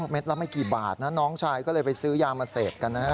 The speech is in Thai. ละไม่กี่บาทนะน้องชายก็เลยไปซื้อยามาเสพกันนะฮะ